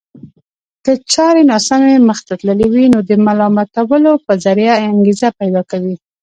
که چارې ناسمې مخته تللې وي نو د ملامتولو په ذريعه انګېزه پيدا کوي.